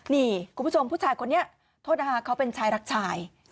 นี่คุณผู้ชมผู้ชายคนนี้โทษนะคะเขาเป็นชายรักชาย